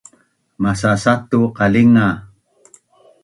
Masasatu qalinga